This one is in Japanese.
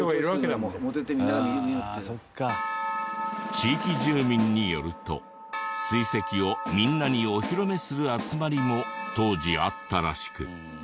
地域住民によると水石をみんなにお披露目する集まりも当時あったらしく。